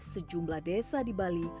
sejumlah desa di bali